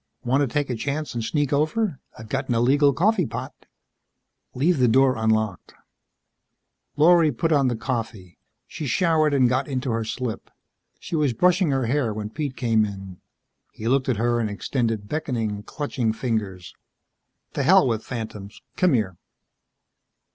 "Want to take a chance and sneak over? I've got an illegal coffee pot." "Leave the door unlocked." Lorry put on the coffee. She showered and got into her slip. She was brushing her hair when Pete came in. He looked at her and extended beckoning, clutching fingers. "The hell with phantoms. Come here."